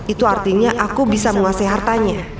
itu artinya aku bisa menguasai hartanya